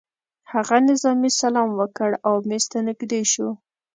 هغه نظامي سلام وکړ او مېز ته نږدې شو